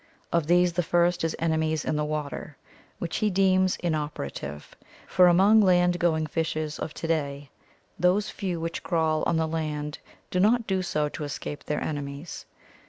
Of these, the first is enemies in the water, which he deems inoperative, for among land going fishes of to day those few which crawl on land do not do so to escape their enemies.